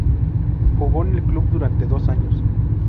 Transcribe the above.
Jugó en el club durante dos años.